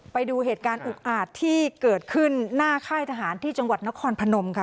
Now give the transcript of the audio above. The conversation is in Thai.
ไปดูเหตุการณ์อุกอาจที่เกิดขึ้นหน้าค่ายทหารที่จังหวัดนครพนมค่ะ